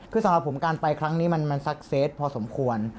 คือสำหรับผมการไปครั้งนี้มันซักเซตพอสมควร